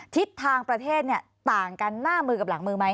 ทิศทางประเทศต่างกันหน้ามือกับหลังมือไหม